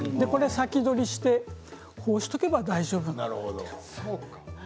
先取りしてこうしておけば大丈夫だろうと。